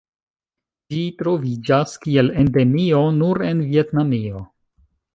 Ĝi troviĝas kiel endemio nur en Vjetnamio.